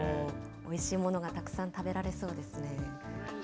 おいしいものがたくさん食べられそうですね。